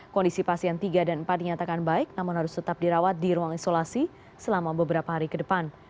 kondisi pasien tiga dan empat dinyatakan baik namun harus tetap dirawat di ruang isolasi selama beberapa hari ke depan